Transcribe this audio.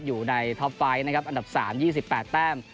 อยู่ในท็อปไฟต์นะครับอันดับสามยี่สิบแปดแต้ม